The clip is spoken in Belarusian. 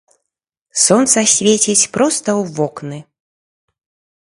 Сонца свеціць проста ў вокны.